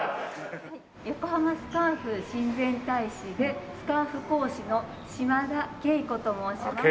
横浜スカーフ親善大使でスカーフ講師の嶋田桂以子と申します。